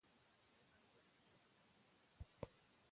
او ارزښت ټاکل کېږي.